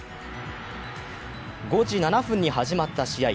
５時７分に始まった試合。